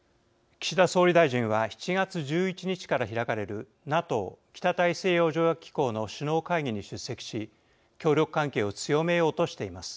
岸田総理大臣は７月１１日から開かれるＮＡＴＯ＝北大西洋条約機構の首脳会議に出席し協力関係を強めようとしています。